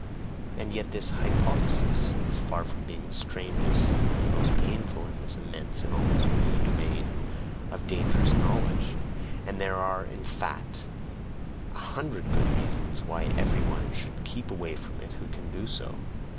And yet this hypothesis is far from being the strangest and most painful in this immense and almost new domain of dangerous knowledge, and there are in fact a hundred good reasons why every one should keep away from it who CAN do so!